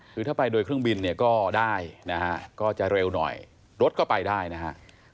คือถ้าไปโดยเครื่องบินเนี่ยก็ได้นะฮะก็จะเร็วหน่อยรถก็ไปได้นะฮะ